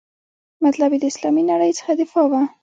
مطلب یې د اسلامي نړۍ څخه دفاع وه.